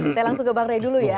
saya langsung ke bang rey dulu ya